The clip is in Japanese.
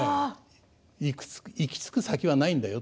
行き着く先はないんだよ